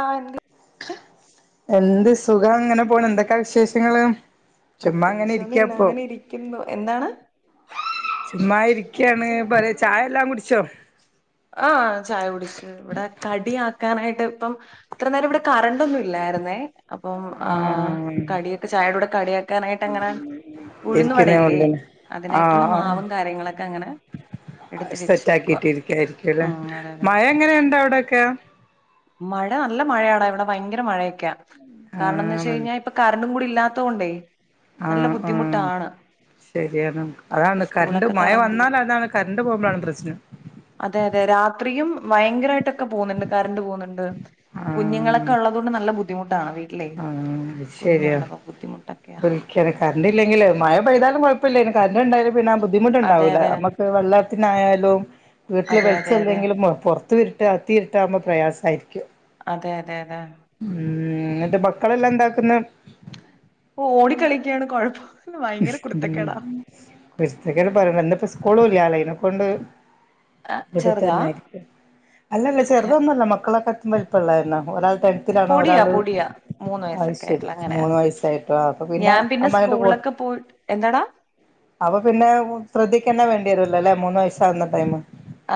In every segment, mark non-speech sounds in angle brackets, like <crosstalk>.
ആഎന്തെ എന്ത് സുഖങ്ങനെ പോണ് എന്തൊക്കെ വിശേഷങ്ങള് ചുമ്മാ അങ്ങനെ പ്രത്യേകിച്ച് ഒന്നും ഇല്ല ഇരിക്കപ്പൊ അങ്ങനെ ഇരിക്കുന്നു എന്താണ് മ്മാ ഇരിക്കാണ് പല ചായെല്ലാം കുടിച്ചോ ആ ചായ കുടിച്ചു വ്ടെ കടി ആക്കാനായിട്ട് പ്പം ഇത്ര നേരം ഇവിടെ കരണ്ടൊന്നുല്ലാര്ന്നേ അപ്പം ആ ആഹ് കടിയിട്ട് ചായടെ കൂടെ കടിയാക്കാനായിട്ടങ്ങനെ ഉഴ്ന്ന് ഇരിക്കുന്നേ വടയില്ലേ ഉള്ളൂ അതിനായിട്ടുള്ള മാവും കാര്യങ്ങളൊക്കങ്ങനെ സെറ്റാക്കിട്ടിരിക്കായിരിക്കുല്ലെ ഉം അതെ അതെ മഴ എങ്ങനെണ്ടവിടൊക്കെ മഴ നല്ല മഴയാണ് ഇവിടെ ഭയങ്കര മഴയൊക്കെയ കാരണം എന്ന് വെച്ച ആഹ് കഴിഞ്ഞാ ഇപ്പ കറണ്ടും കൂടി ഇല്ലാ ത്തോണ്ടേ ആ ആ ശരിയാണ് അതാണ് കരണ്ട് സ്കൂളൊക്കെ മഴ തുറന്നില്ലേ വന്നാലതാണ് കറണ്ട് പോകുമ്പോഴാണ് പ്രശ്നം അതെ അതെ രാത്രിയും ഭയങ്കരായിട്ടൊക്കെ പോന്നുണ്ട് കറണ്ട് പോകുന്നുണ്ട് കുഞ്ഞുങ്ങളൊക്കെ ഉള്ളതൊണ്ട് നല്ല ബുദ്ധിമു ആ ശരിയ ബുദ്ധിമുട്ടൊക്കെയാ <unintelligible> കറണ്ട്ല്ലെങ്കില് മഴ പെയ്താലും കുഴപ്പില്ലേനി കര് ണ്ട്ണ്ടായാല് പിന്നാ അതെ ബുദ്ധിമുട്ടുണ്ടാവൂല അതെ നമ്മക്ക് വെള്ളത്തിനായാലും വീട്ടില് അതെ അതെ അതെ വെള്ച്ചല്ലെങ്കിലും പുറത്തുരിട്ട് അത്തി ഇരിട്ടാകുമ്പോ പ്രയാസമായിരിക്കും അതെ അതെ അതെ ഉം എന്നിട്ട് മക്കളെല്ലന്താക്ക്ന്ന് ഓടിക്കളിക്കയാണ് കൊഴപ്പം ഉ ഭയങ്കര കുരുത്തക്കേടാ കുത്തക്ക പറയ ഇിപ്പോ സ്കൂളല്ല അല അയ്നെക്കൊണ്ട് ആ, ഇവിടത്ത ചെറുതാ തന്നൊയിരിക്കും അല്ലല്ല ഹെ, ചെറുതൊന്നുമല്ല മക്കളൊക്കെ വൽപ്പള്ളന്ന ഒരാൾ ടെൻണോ ഒരാ പൊടിയാ പൊടിയാ മൂന്ന് അത് വയസ്സൊക്കെ ശരി ആയിട്ടുള്ള അങ്ങനെ ആ. മൂന്ന് വയസ്സായിട്ടോ അപ്പ പിന്നെ ഞാൻ അമ്മാട്ട് സ്കൂളിലൊക്കെ പോയിട്ട് എന്താടാ അപ്പൊ പിന്നെ ശ്രദ്ധക്കന്നെ വേ ത അല്ലേൂന്ന് വയസാവുന്ന ടൈ്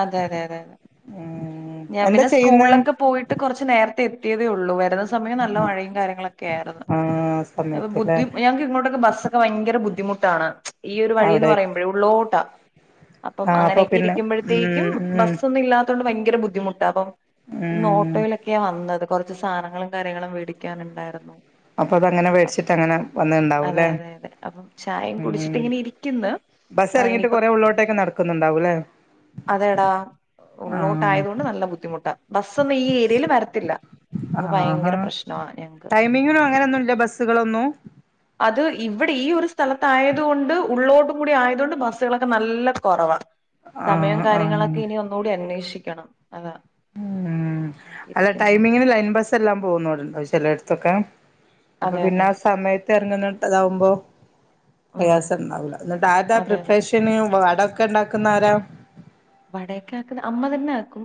അതെ അതെ അതെ അതെ ഞാൻ എന്താ പിന്നെ ചെയ്യുന്നെ സ്കൂളിലൊക്കെ പോയിട്ട് കുറച്ച് നേരത്തെ എത്തിയതേ ഉള്ളൂ വര സമയം നല്ല ആഹ് മഴയും കാര്യങ്ങളൊക്കെ ആയിരുന്നു ആഹ് അപ്പൊ സമയത്തില്ലേ ബുദ്ധി ഞങ്ങക്ക് ഇങ്ങോട്ടൊക്കെ ബസ്സൊക്കെ ഭയങ്കര ബുദ്ധിമുട്ടാണ് ഈയൊരു വഴിന്ന് അവിടെ പറയുമ്പോഴേ ഉള്ളോട്ടാ അപ്പം ആഹ് അപ്പൊ അങ്ങനെയൊക്കെ പിന്നെ ഇരിക്കുമ്പോഴത്തേക്കും ഉം ഉം ബസ് ഒന്നും ഇല്ലാത്തൊണ്ട് ഭയ ങ്കര ബുദ്ധിമുട്ടാണ് അപ്പൊ ന്ന് ഉം ഓട്ടോയിലൊക്കെയാ വന്നത് കുറച്ച് സാധനങ്ങളും കാര്യങ്ങളും വേടിക്കാനുണ്ടായിരുന്നു അപ്പൊ അതങ്ങനെ അ വേടിച്ചിട്ട് അങ്ങനെ അതെ വന്നിണ്ടാവൂല്ലേ അതെ അതെ അപ്പം ചായയും ഉം കുടിച്ചിട്ടിങ്ങനെ ഇരിക്ക്ന്ന് ബസ് ഇറങ്ങിട്ട് കുറെേ ഉള്ളോട്ടേക്ക് നടക്കുന്നുണ്ടാവും ലേ അതെടാ ഉള്ളോട്ട് ആയതുകൊണ്ട് ന ല്ല ബുദ്ധിമുട്ടാ ബസ്സൊന്നും ഈ ഏരിയയിൽ വരത്തില്ല അപ്പൊ ഭയങ്കര പ്രശ്നാണ് ഞങ്ങക്ക് <unintelligible> ഉം. അങ്ങനെയൊന്നുല്ല ബസ്സുകളൊന്നും അത് ഇവിടെ ഈ ഒരു സ്ഥലത്തായത് കൊണ്ട് ഉള്ളോട്ടും കൂടി ആയതുകൊണ്ട് ബസ്സുകളൊക്കെ നല്ല കൊറവ സമയം ആഹ് ആഹ് കാര്യങ്ങളൊക്കെ ഇനി ഒന്നൂടി അന്വേഷിക്കണം അതാ മ് അല്ല എനിക്കിരിക്കുന്നോണ്ട് ടൈമിങ്ങിന് ലൈൻ ബസ്സെല്ലാം പോകുന്നുണ്ട് ചിലയിടത്തൊക്കെ അപ്പൊ അതെ പിന്നെ അതെ ആ സമയത്ത് ഇറങ്ങുന്നട്ടതാവുമ്പോ ഉം പ്രയാസംണ്ടാവൂല എന്നിട്ട് ആതാ അതെ പ്രിപ്പറേഷന് വടൊക്കെ ഉണ്ടാക്കുന്നതാരാ വടയൊക്കെ ആക്കുന്ന അമ്മ തന്നെ ആക്കും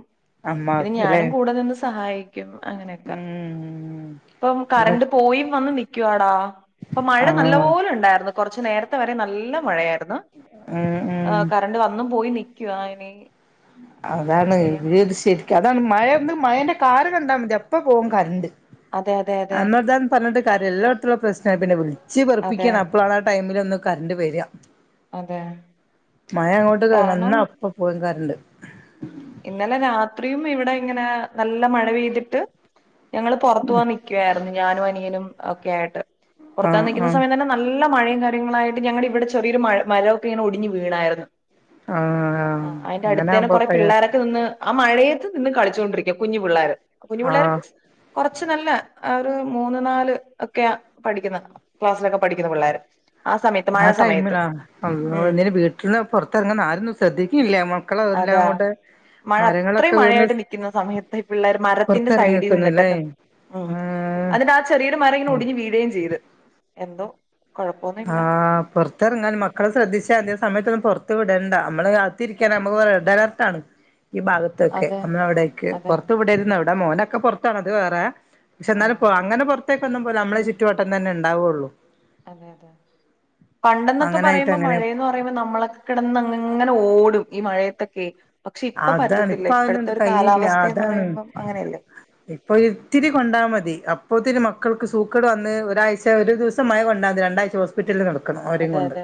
ഇത് അമ്മാക്കുല്ലേ ഞാനും കൂടെ നിന്ന് സഹായിക്കും അങ്ങനൊക്ക ഉം പ്പം അല്ല കറണ്ട് പോയി വന്ന് നി ക്കുവാടാ ഇപ്പം മഴ നല്ല ആഹ് പോലെ ഒണ്ടാരുന്നു കൊറച്ച് നേരത്തെ വരെ നല്ല മഴയാരുന്നു ഉം ആ ഉം കറണ്ട് വന്നും പോയി നിക്കുവ ഇനി അതാണ് ചെയ്യണം അത് ഇവരിത് ശരിക്കും അതാണ് മഴന്ന് മഴന്റെ കാറ് കണ്ടാ മതി അപ്പോ പോകും കരണ്ട് അതെ അതെ അതെ അന്നതാൻ പറഞ്ഞിട്ട് കാര്യം എല്ലായിടത്തുള്ള പ്രശ്ന പിന്നെ വിളിച്ച് അതെ വെറുപ്പിക്കണം അപ്പളാണ് ആ ടൈമിൽ ഒന്ന് കരണ്ട് വര്വ അതെ മഴ അങ്ങോട്ട് വന്ന കാരണം അപ്പം പോവും കരണ്ട് ഇന്നലെ രാത്രിയും ഇവിടെ ഇങ്ങനെ നല്ല മഴ പെയ്തിട്ട് ഞങ്ങള് പുറത്തു പോവാൻ നിക്കുവാരുന്നു ഞാനും അനിയനും ഒക്കെ ആയിട്ട് പൊറത്താ ആഹ് പോവാൻ നിക്കുന്ന ആഹ് സമയം തന്നെ നല്ല മഴയും കാര്യങ്ങളായിട്ട് ഞങ്ങളിവിടെ ചെറിയൊരു മഴ മരൊക്കെ ഇങ്ങനെ ഒടിഞ്ഞ് വീണാരുന്നു ആ ആഹ് അങ്ങനെ ത്തേനും ആകുമ്പോ കുറെ പ്രയാസം പിള്ളോരൊക്കെ നിന്ന് ആ മഴയത്ത് നിന്ന് കളിച്ചൊണ്ടിരിക്ക കുഞ്ഞു പിള്ളേര് കുഞ്ഞുപിള്ളേര് ആഹ് മീൻസ് കൊറച്ച് ച്ച് നല്ല ആ ഒരു മൂന്ന് നാല് ഒക്കെ പഠിക്കുന്ന ക്ലാസ്സിലൊക്കെ പഠിക്കുന്ന പിള്ളേര് ആ ടൈമിലാ അള്ളോ ഉം ഇനി വീട്ടിന്ന് പൊറത്തെറങ്ങുന്ന ആരന്ന് ശ്രദ്ധിക്കില്ല മ ക്കളെല്ലാം അതാ കൂടെ മഴ അത്രയും മഴയായിട്ട് നിക്കുന്ന സമയത്ത് പിള്ളേര് മരത്തിന്റെ പുറത്തിറങ്ങി സൈഡിൽ നിക്കുന്നുല്ലേ നിന്നിട്ടൊക്കെ ഉം ആഹ് അതിന്റെ ആ ചെറിയൊരു മരങ്ങനെ ഒടിഞ്ഞ് വീഴേം ചെയ്ത് എന്തോ ആ കുഴപ്പമൊന്നുമില്ല പൊറത്തെറങ്ങാൻ മക്കളെ ശ്രദ്ധിച്ച അതേ സമയത്തൊന്നും പൊറ ത്ത് വിടണ്ട നമ്മള് കാത്തിരിക്കാന നമുക്ക് റെഡ് അലർട്ടാണ് ഈ ഭാഗത്തൊക്കെ അതെ മ്മളെ അവിടേക്ക് അതെ പൊറത്ത് വിടരുതെന്നാ ഇവിടെ മോനൊക്കെ പൊറത്താണ് അത് വേറെ പക്ഷെ ആ ന്നാലും പോ അങ്ങനെ പൊറത്തേക്കൊന്നും പോവുല മ്മളെ ചുറ്റുവട്ടം തന്നെണ്ടാവൊള്ളൂ അതെയതെ പണ്ടെന്നൊക്കെ അങ്ങനായിട്ട് പറയുമ്പോ അങ്ങനെ മഴയന്ന് പറയുമ്പോ നമ്മളൊക്കെ കെടന്ന് അങ്ങനെ ഓ ടും ഈ മഴയത്തൊക്കെ പക്ഷെ ഇപ്പ അതാണ് ഇപ്പ പറ്റത്തില്ല ഇപ്പഴത്തെ അതിനൊന്നും ഒരു കഴിയില്ല കാലാവസ്ഥയെന്ന് അതാണ് പറയുമ്പം അങ്ങനെയല്ലേ ഇപ്പൊ ഇത്തിരി കൊണ്ടാ മതി അപ്പോത്തിരി മ മക്കൾക്ക് സൂക്കേട് വന്ന് ഒരാഴ്ച ഒരു ദിവസം മഴ കൊണ്ടാ മതി രണ്ടാഴ്ച ഹോസ്പിറ്റലിൽ നട ക്കണം അവരെം അതെ കൊണ്ട് അതെ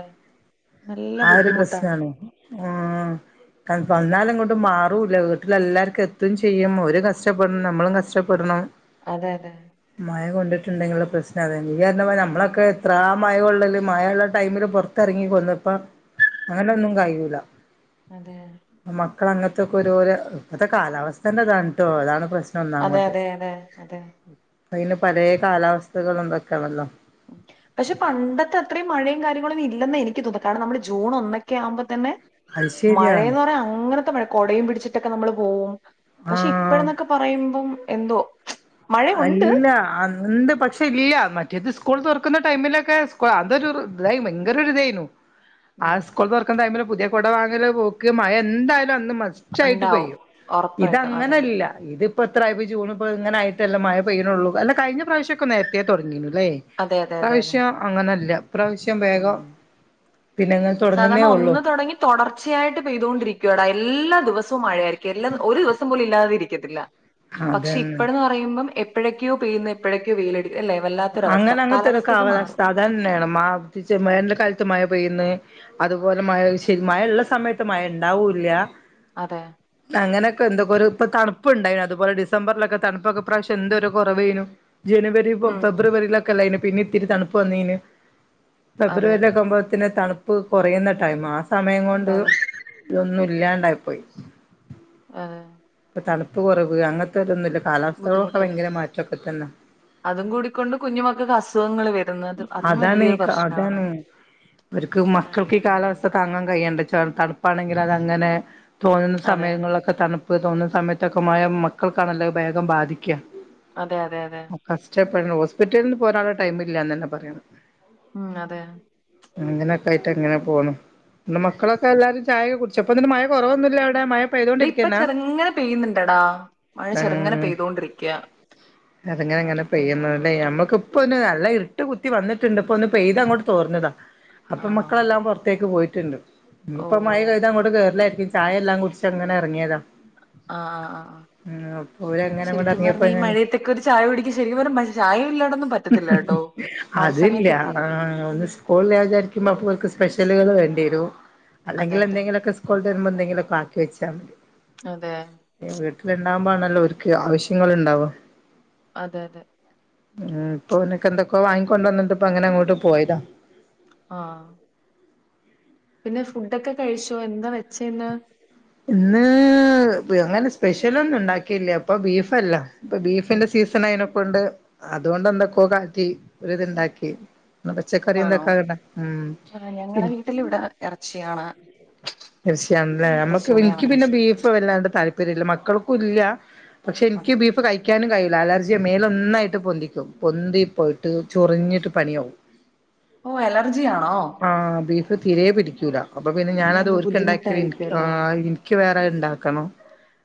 നല്ല ആ ഒരു ബുദ്ധിമുട്ടാണ് പ്രശ്നാണ് ആ <unintelligible> മാറൂല്ല വീട്ടില് എല്ലാവർക്കും എത്തും ചെയ്യും ഓരും കഷ്ടപ്പെടണം നമ്മളും കഷ്ടപ്പെടണം അതെ അതെ കൊണ്ടിട്ടുണ്ടെങ്കിലെ പ്രശ്നം അതാ നീ പറഞ്ഞ പോലെ നമ്മളൊക്കെ എത്രാ മഴ കൊള്ളല് മഴയുള്ള ടൈമില് പൊറത്തിറങ്ങി പോന്നപ്പം അങ്ങനെ ഒന്നും കയ്യൂല അതെ മക്കളങ്ങത്തൊക്കൊരു ഓരോ ഇപ്പഴത്തെ കാലാവസ്ഥെന്റെ ഇതാണ് ട്ടോ അതാണ് പ്രശ് അതെ അതെ അതെ അതെ അതിന് പലെ കാലാവസ്ഥകളും ഇതൊക്കാണല്ലോ പക്ഷെ പണ്ടത്തെ അത്രയും മഴയും കാര്യങ്ങളൊന്നും ഇല്ലെന്ന് എനിക്ക് തോന്നുന്നെ കാരണം നമ്മള് ജൂൺ ഒന്നൊക്കെ ആവുമ്പ തന്നെ അത് ശരിയാ മഴയെന്ന് പറഞ്ഞ അങ്ങനത്തെ മഴ കൊടയും പിടിച്ചിട്ടൊക്കെ നമ്മള് പോവും പക്ഷെ ആഹ് ഇപ്പഴന്നൊക്കെ പറയുമ്പം എന്തോ മഴയുണ്ട് അല്ല അന്ന് പക്ഷെ ഇല്ല മ റ്റേത് സ്കൂൾ തുറക്കുന്ന ടൈമിലൊക്കെ അതൊരു ഇതായി ഭയങ്കര ഇതായിന്നു ആ ഉം. സ്കൂള് തുറക്കുന്ന ടൈമില് പുതിയ കുട വാങ്ങല് പോക്ക് മഴ എന്തായാലും അന്നും മ സ്റ്റായിട്ട് ഉണ്ടാവും പെയ്യും ഉറപ്പായിട്ടും അതെ ഇതങ്ങനല്ല ഇതിപ്പോ എത്രായിപ്പോ ജൂണിപ്പിങ്ങനെ ആയി ട്ടല്ലെ മഴ പെയ്യണുള്ളൂ അല്ല കഴിഞ്ഞ പ്രാവശ്യക്കെ നേരത്തേ തുടങ്ങീനുല്ലേ ഇപ്രാവശ്യം അങ്ങനെല്ല മ് പിന്നെങ്ങനെ സാധാരണ തുടങ്ങുന്നേ ഉള്ളൂ ഒന്ന് തുടങ്ങി തുടർച്ചയായിട്ട് പെയ്തൊണ്ടിരിക്ക് ക്കോട എല്ലാ ദിവസവും മഴയായിരിക്കും എല്ലാം ഒരു ദിവസം പോലും ഇല്ലാതെ ഇരിക്കത്തില്ല പക്ഷെ അതന്നെ ഇപ്പഴന്ന് പറയുമ്പം എപ്പോഴൊക്കെയോ പെയ്യന്ന് എപ്പോഴൊക്കെയോ വെയിലടി അല്ലേ വല്ലാത്തൊരവസ്ഥ അങ്ങനെ കാലാവസ്ഥയൊക്കെ അങ്ങത്തെരക്കാവലാവസ്ഥ മാറും സാധാരണ വേണം മാ റ്റിച്ചു മേനൽ കാലത്ത് മഴ പെയ്യ്ന്ന് അതുപോലെ മഴ ശരി മഴള്ള സമയത്ത് മഴ ഉണ്ടാവൂല്ല അതെ അങ്ങനൊക്കെ എന്തൊക്കൊരു ഇപ്പ തണുപ്പുണ്ടായി അതുപോലെ ഡിസംബറിലൊക്കെ തണുപ്പൊക്കെ ഇപ്രാവശ്യം എന്തൊരു കുറവേയ്നു ജനുവ ഉം ഫെബ്രുവരിലൊക്കെ അല്ലെയിനൊ പിന്നെ ഇത്തിരി തണുപ്പ് വന്നിന് അതെ അതെ ഫെബ്രുവരിലൊക്കെ ആവുമ്പഴത്തിന് തണു ഇപ്പ് കുറയുന്ന ടൈം ആ സമയം കൊണ്ട് അതെ ഇതൊന്നും ഇല്ലാണ്ടായിപ്പോയി ആഹ് തണുപ്പ് കുറവ് അങ്ങനത്തെതൊന്നുല്ലപ്പ് ബുദ്ധിമുട്ടൊക്കെണ്ട് അതും കൂടിക്കൊണ്ട് കുഞ്ഞ്മക്കൾക്ക് അസുഖങ്ങൾ വരു അതും വലിയൊരു പ്രശ്നമാണ് അവർക്ക് ഒക്കെ മക്കൾക്ക് ഈ ആലോചിക്കുമ്പോ കാലാവസ്ഥ എന്തോ താങ്ങാൻ കഴിയണ്ടേ ച തണു പ്പാണെങ്കിൽ അതങ്ങനെ തോന്നുന്ന അതെ സമയങ്ങളിലൊക്കെ തണു ഇപ്പോൾ തോന്നുന്ന സമയത്തൊക്കെ മയ മക്കൾക്കാണ്ണല്ലോ അത്‌ വേഗം ബാധിക്കാ അതെ അതെ അതെ ഹോസ്പിറ്റലിൽ ന്ന് പോരാനുള്ള ടൈമില്ലാന്ന് തന്നെ പറയണം ഉം അതെ അങ്ങനെയൊക്കെ ആയിട്ട് അങ്ങനെ പോണു പിന്നെ മക്കളൊക്കെ എല്ലാരും ചായകെ കുടിച്ച അപ്പൊ മഴ കുറവൊന്നുമില്ല അവിടെ മഴ ഇ ഇപ്പൊ പെയ്തോണ്ടിരിക്കന്നാ ചെറുങ്ങനെ പെയ്യുന്നുണ്ടടാ മഴ ചെറുങ്ങനെ പെയ്തോണ്ടിരിക്കാ അതങ്ങനെ അങ്ങനെ പെയ്യുന്നല്ലേ നമ്മക്ക ഇപ്പൊ നല്ല ഇരു ഇട്ട് കുത്തി വന്നിട്ടുണ്ട് ഇപ്പൊ ഒന്ന് പെയ്താ അങ്ങോട്ട് തോർന്നതാ അപ്പൊ ആണോ മക്കളെല്ലാം പുറത്തേക്ക് പോയിട്ടുണ്ട് ഓ ഇപ്പ മഴ കയ്താ അങ്ങോട്ട് കേയറിലായിരിക്കും ചായയെല്ലാം കുടിച്ച അങ്ങനെ ഇറങ്ങിയതാ ആഹ് ആഹ് ആഹ് ഉം അപ്പൊ ഓര് അങ്ങനെ അങ്ങോട്ട് ശരിക്കും പറഞ്ഞ ഇറങ്ങിയപ്പോ ഈ ഞാന് മഴയത്തൊക്കെ ഒരു ചായ കുടിക്കും ശരിക്കും പറഞ്ഞ ചായ ഇല്ലടോ അതല്ല ഒന്ന് സ്കൂൾല്ലാ വിചാരിക്കുമ്പോ അപ്പോര്ക്ക് സ്പെഷ്യൽ റ്റലുകൾ വേണ്ടിവരും അതെ അല്ലെങ്കിൽ അതെ എന്തെങ്കിലൊക്കെ സ്കൂൾട്ട് വരുമ്പോ എന്തെങ്കിലൊക്കെ ആക്കി വെച്ചാ മതി അതെ ആവുമ്പോ ആണല്ലോ ഓര്ക്ക് ആവശ്യങ്ങൾ ഉണ്ടാവ അതെ അതെ ഉം ഇപ്പൊ ഓനക്കെന്തൊക്കോ വാങ്ങിക്കൊണ്ടന്നിട്ട് വന്നിട്ട ഇപ്പ അങ്ങനെ അങ്ങോട്ട് പോയതാ ആഹ് പിന്നെ ഫുഡൊക്കെ കഴിച്ചോ എന്താ വെച്ചേന്ന് ഇന്ന് അങ്ങനെ സ്പെഷ്യലൊന്നും ഉണ്ടാക്കില്ല ഇപ്പൊ ബീഫല്ല ഇപ്പൊ ഉം ബീഫിന്റെ സീസൺ അയ്നൊക്കെണ്ട് അതുകൊണ്ട് എന്തൊക്കെയ കാറ്റി ഒരു ഇത്ണ്ടാക്കി എന്ന പച്ചക്കറി ആണോ എന്തൊക്കകണ്ട ആ ഉം ഞങ്ങളടെ വീട്ടിൽ ഇവിടെ ഇറച്ചിയാണ് തീർച്ചയണല്ലേ ഇറച്ചി നമ്മുക്ക് തന്നെയാ എനിക്ക് പിന്നെ വാങ്ങിച്ചത് ബീഫ് വല്ലാണ്ട് താല്പര്യം ഇല്ല മക്കൾക്കും ഇല്ല പക്ഷെ ആണോ എനിക്ക് ബീഫ് കഴിക്കാനും കഴിയില്ല അലർജിയ മേൽ ഒന്നായിട്ട് പൊന്തി പൊന്തി പോയിട്ട് ചൊറിഞ്ഞിട്ട് പണിയാവും ഓ അലർജിയാണോ അത് തിരേ പിടിക്കൂല്ല അപ്പോൾ പിന്നെ ഞാനത് ഒരുക്ക ഉണ്ടാക്കിയൽ എനിക്ക് ബുദ്ധിമുട്ടായിരിക്കുമല്ലോ എനിക്ക് വേറെ റേ ഉണ്ടാക്കണം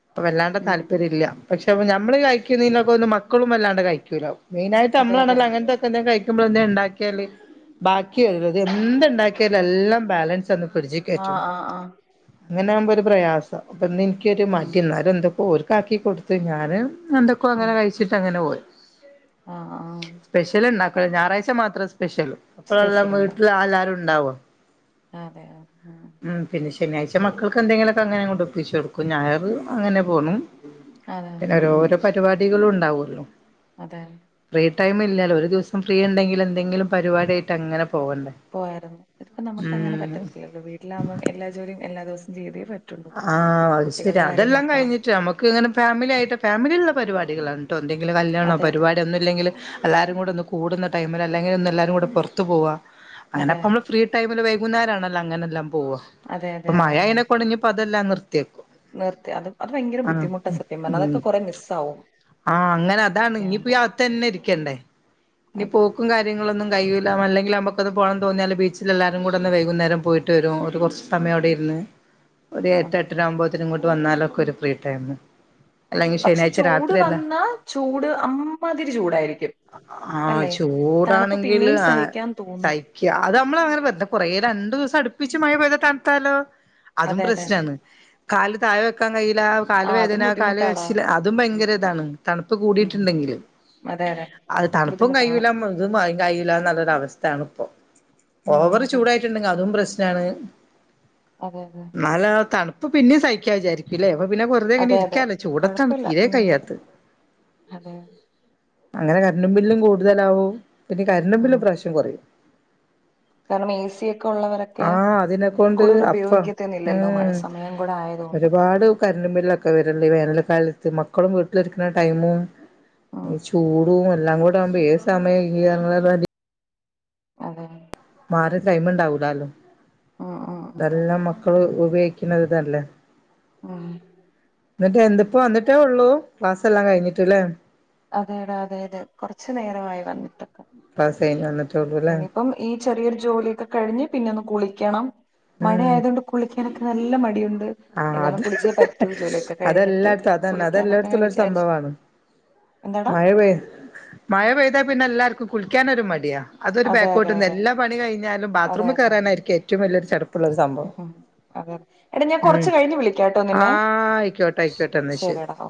അപ്പൊ വല്ലാണ്ട് ഉം താല്പര്യം ഇല്ല പക്ഷെ അ നമ്മള് കഴിക്കുന്നതിനൊക്കെ ഒ മക്കളും വല്ലാണ്ട് കഴിക്കല്ലോ മെയിനായിട്ട് അതെ അതെ നമ്മാണല്ലോ അങ്ങനത്തെൊക്കെ എന്തങ്കില കഴി ക്കുമ്പള് എന്തേലും ഉണ്ടാക്കിയല് ബാക്കിത് എന്ത് ഉണ്ടാക്കിയാല എല്ലാം ബാലൻസ് ഫ്രിഡ്ജിൽ ആ കയറ്റണം ആ ആ അങ്ങനെ ആകുമ്പോ ഒരു പ്രയാസ അപ്പൊ എനിക്കൊരു ഉം മടി എന്നാലും എന്തൊക്ക ഓര്ക്കാക്കി കൊടുത്തു ഞാന് എന്തൊക്കോ അങ്ങനെ കഴിച്ചി് അങ്ങനെ പോയി ആഹ ആഹ് അ ഞായറാഴ്ച മാത്രം സ്പെഷ്യല് അപ്പോഴ എല്ലാം സ്പെഷ്യൽ ഉണ്ടാവും വീട്ടിൽ എല്ലാവാരും ഉണ്ടാവും അതെ ഉ പിെ ശനാഴ്ച മക്കൾക്ക് എന്തെങ്കിലുമൊക്കെ അങ്ങനെങ്ങ കൊോണ്ട് ഒപ്പിച്ചച്ച് കൊടുക്കും ഞായർ അങ്ങനെ പോകും അതെ പിന്നെ ഉം ഉം ഓരോരോ പരിപാടികളും ഉണ്ടാവള്ളോ അതെ ടൈമില്ലാ ഒരു ദിവം ഫ്രീ ഉണ്ടെങ്കിൽ എന്തെങ്കിലും പരിപാടായിയിട്ട്ങ്ങനെ പോയരുന്നു ഇതിപ്പ നമുക്ക് അങ്ങനെ പറ്റത്തില്ലല്ലോ വീലാവുമ്പം എല്ലാ ജോലിയും എല്ലാ ദിവസം ചെയ്തേ പറ്റും ആഹ അത് ശരി അതെല്ലാം കഴിഞ്ഞിട്ട് നമുക്ക് ഇങ്ങനെ ഫാമിലി ആയിട്ട് ഫാമിലിള്ള പരിപാടികളണ്ട് കേട്ടോ എന്തെങ്കിലും കല്യാണോ അതെ അതെ പരിപാടി ഒന്നും ഇെങ്കിൽ എല്ലാരും കൂ ഒന്ന് കൂടുന്നടൈമിൽ അല്ലെങ്കിൽ ഒ എല്ലാരും കൂടെറത്തു പോവാ അങ്ങനെ അതെ അപ്പ നമ്മള് ഫ്രീ ടൈമ നാരാണല്ലോ അങ്ങനെല്ലാം പോവവാ അപ്പൊ മഴനെ കൊൊഞ്ഞപ്പോൊ അതെല്ലാം നിർ നിർത്തെ അത് അത് ഭയങ്കര ബുദ്ധിമുട്ടാണ് സത്യം പറഞ്ഞ ഉം അതൊക്കെ കുറെ മിസ് ആാവും ആഹ് അങ്ങനെ അതാണ് ഇനിപ്പോ അവത്ത തന്നെ ഇരിക്കണ്ടേ ഇനി അതെ പോക്കും കാര്യങ്ങളൊന്നും ഒന്ന കയില്ല അല്ലെങ്കിൽ നമുക്കത് പോണം തോിയാല് ബീച്ചിൽ എല്ലാരും കൂടെ ഒന്ന് വൈകുന്നേരം പോയിട്ട് വര ഒരു കുറച്ച് സയോടെ ഒരു എട്ട അതെ എട്ടിന ആകുമ്പോന് ഇങ്ങോട്ട് വന്നാലൊക്കെ ഒരു ഫ്രീ ടൈം അല്ലെങ്കിൽ പക്ഷെ ശനിയാഴ്ച ചൂട് രാത്രിയല്ല വന്ന ചൂട് അ്മാതിരി ചൂടായിരിക്കും ആ അല്ലെ തണുപ്പ് ചൂടാണെങ്കിൽ പിന്നെയും ആ സഹിക്കാൻ തോന്നുന്നു തയ്ക്ക അത് നമ്മൾ അങ്ങനെ വര കൊറെ രണ്ടു ദിവസം അടുപ്പിച്ചച്ച് മഴ പോ്ത തണത്താലോ അതും അതെ അതെ പ്രശ്നമാണ് കാല് താഴെ വെക്കാൻ കഴയില്ല കാല് ആ അതും വേദന കാല് ബുദ്ധിമുട്ടാടാ കഴിച്ചില്ല അതും ഉം ഭയങ്കര താണ് തണുപ്പ് ഉം കൂടിയിട്ടുണ്ടെങ്കിലിൽ അതെ അതെ അത് തണുപ്പും ബുദ്ധിമുട്ടാണ് കഴയില്ല ഇതും കഴയില്ലന്നല്ലൊരു അവസ്ഥയാണ് ഉം ഓവറ് അതെ ചൂടായിട്ടുണ്ടെങ്ക അതും പ്രശ്നമാണ് അതെ അതെ നല്ല തണുപ്പ അപ്പ പിന്നെ സഹിക്കാ വിചാരിക്കല്ലേ പിന്നെ വെറുതെങ്ങനെ അതെ അതെ ഇരിക്കല്ലോ ചൂടത്താണ് കുഴപ്പമില്ല തീരെ ഉം കയ്യാത്ത അതെ അങ്ങനെ കരണ്ടും ബില്ലും കൂടുതലാാവും പിന്നെ കരിും ബില്ും ഉം പ്രാവശ്യം കുറയും കാരണം എ സിയ ഒൊക്കെ ഉള്ളവരൊക്കെ ആഹ് അതിനെക്കൊണ്ട് കൂടുതൽ അപ്പ ഉപയോഗിക്കത്തന്നില്ലല്ലോ മഴ ഉം സമയം കൂടെ ആയ ഒരുപാട് കരി മല്ലൊക്കെ വരണ്ട് വേനൽക്കാലത്ത് മക്കളും വീട്ടിലിരിക്കുന്ന ടൈമും ഉം ചൂടും എല്ലാം കൂടെ ആവുമ്പോ സമയംങ്ങള അതെ ആര ടൈമ ഉണ്ടാവൂലാലോ ഉം ഉം ഉം അതെ ഇതെല്ലാം മക്കൾ ഉപയോഗിക്കുന്ന ഇതല്ലേ ഉം എന്നിട്ടേ എന്തിപ്പോ വന്നിട്ടേ ഉള്ളൂ ക്ലാസ് എല്ലാം കഴിഞ്ഞിട്ടല്ലേ അതെടാ അതെ അതെ കൊറച്ചു നേരമായി വന്നിട്ട് ക്ലാസ് കഴിഞ്ഞ് വന്നിട്ടേള്ളൂല്ലേ ഇനിയിപ്പം ഈ ചെറിയൊരു ജോലിയൊക്കെ കഴിഞ്ഞ് പിന്നെ ഒന്ന് കുളിക്കണം മഴ ഉം ആയത കൊൊണ്ട് കുളിക്കാനൊക്കെ നല്ല മടിയുണ്ട് ആ എന്നാലും അത് കുളിച്ചേ പറ്റൂ ജോലിയൊക്കെ കഴിഞ്ഞിട്ട് അതെല്ലായിടത്തും അതന്നെ കുളിക്കാന്നൊക്കെ അങ്ങനെ അതെല്ലായിടത്തുംുള്ളരു വിചാരിച്ചു സംഭവമാണ് എന്താടാ മഴ പെയ് മഴ പെയ്താ പിന്നെ എല്ലാർക്കും കുളിക്കാനൊരു മടിയാ അതൊ അതെ ബാക്കോട്ട അതെ അതെ എല്ലാ പി കഴിഞ്ഞാലും ബാത്റൂമിൽ കയറാനായിരിക്കും ഏറ്റവും വലൊരു ചടം ഉ അതെെ ടാ ഞാൻ ഉം കൊറച്ച് കഴിഞ്ഞ് ആ വിളിക്കാംട്ടോന്നന്നെ ആയിക്കോട്ടെ ശ ആയിക്കോട്ടെ എന്നാ ശരി ശടാ